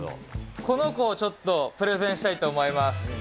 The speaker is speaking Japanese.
この子をちょっとプレゼンしたいと思います。